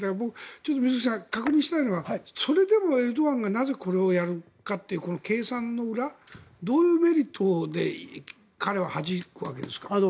水口さん、確認したいのはそれでもエルドアンがなぜこれをやるのかという計算の裏どういうメリットで彼ははじくわけですか？